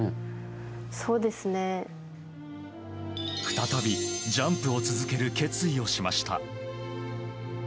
再びジャンプを続ける決意をしました。